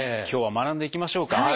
今日は学んでいきましょうか。